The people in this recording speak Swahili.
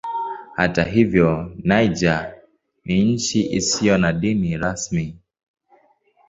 Hata hivyo Niger ni nchi isiyo na dini rasmi.